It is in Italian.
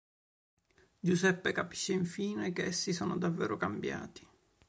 Giuseppe capisce infine che essi sono davvero cambiati.